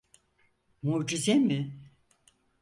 Mucize mi?